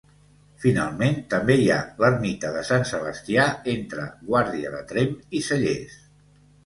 Finalment, també hi ha l'ermita de Sant Sebastià, entre Guàrdia de Tremp i Cellers.